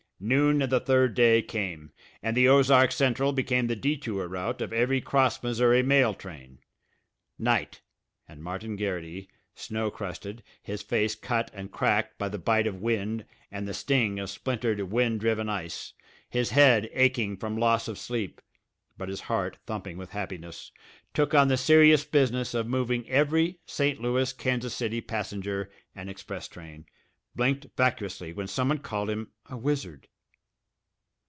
Noon of the third day came, and the Ozark Central became the detour route of every cross Missouri mail train. Night, and Martin Garrity, snow crusted, his face cut and cracked by the bite of wind and the sting of splintered, wind driven ice, his head aching from loss of sleep, but his heart thumping with happiness, took on the serious business of moving every St. Louis Kansas City passenger and express train, blinked vacuously when someone called him a wizard.